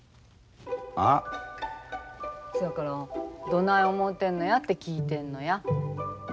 あ？そやからどない思うてんのやって聞いてんのや。